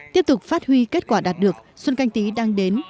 tiếp tục phát huy kết quả đạt được xuân canh tí đang đến